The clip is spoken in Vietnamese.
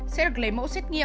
sẽ được lấy mẫu xét nghiệm